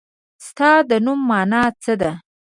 ستا د نوم مانا څه ده ؟